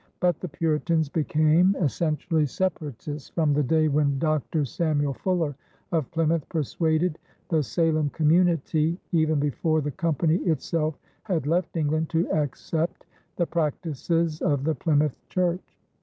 But the Puritans became essentially Separatists from the day when Dr. Samuel Fuller of Plymouth persuaded the Salem community, even before the company itself had left England, to accept the practices of the Plymouth Church.